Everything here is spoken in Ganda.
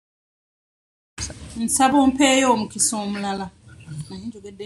Nsaba ompeeyo omukisa omulala.